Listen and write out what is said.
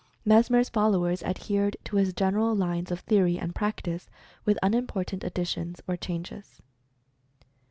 Mesmer's followers adhered to his general lines of theory and practice, with unimportant additions or changes.